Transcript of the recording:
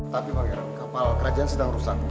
tapi pak gerang kapal kerajaan sedang rusak